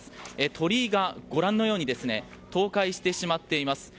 鳥居がご覧のように倒壊してしまっています。